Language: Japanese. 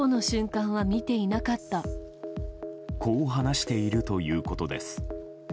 こう話しているということです。